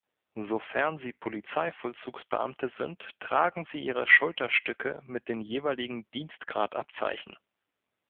Sofern sie Polizeivollzugsbeamte sind, tragen sie ihre Schulterstücke mit den jeweiligen Dienstgradabzeichen.